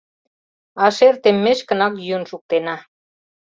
А шер теммешкынак йӱын шуктена.